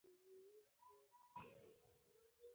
دا له وخوره او مه مره ژوند څخه راضي وو